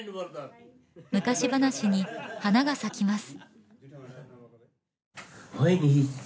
昔話に花が咲きます